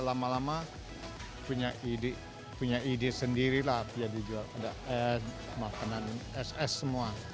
lama lama punya ide punya ide sendiri lah dia dijual ada eh makanan ss semua